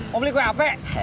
mau beli kue apa